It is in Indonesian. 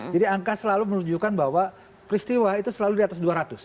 jadi angka selalu menunjukkan bahwa peristiwa itu selalu di atas dua ratus